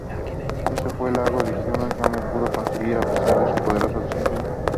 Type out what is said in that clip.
Eso fue algo que Gibson jamás pudo conseguir a pesar de su poderoso desempeño.